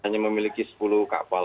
hanya memiliki sepuluh kapal